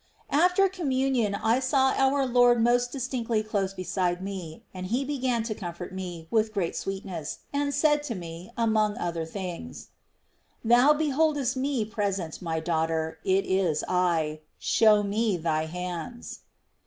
4. After Communion, I saw our Lord most dis Je^tiOTi?^' tinctly close beside me ; and He began to comfort me with great sweetness, and said to me, among other things :" Thou beholdest Me present, my daughter, — it is I. Show Me thy hands."